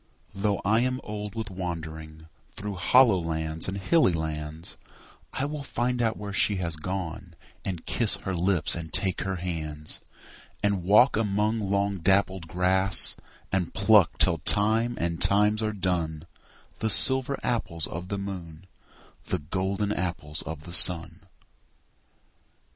Though I am old with wandering Through hollow lands and hilly lands, I will find out where she has gone, And kiss her lips and take her hands; And walk among long dappled grass, And pluck till time and times are done The silver apples of the moon, The golden apples of the sun.